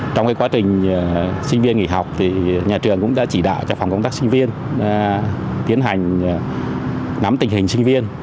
trong quá trình sinh viên nghỉ học nhà trường cũng đã chỉ đạo cho phòng công tác sinh viên tiến hành nắm tình hình sinh viên